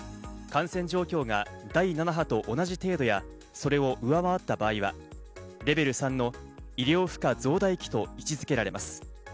感染状況が第７波と同じ程度や、それを上回った場合は、レベル３の医療負荷増大期と位置付けられます。